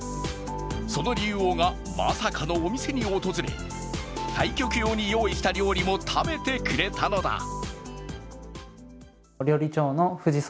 その竜王がまさかのお店に訪れ、対局用に用意した料理も食べてくれたのだ。